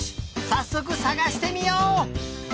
さっそくさがしてみよう！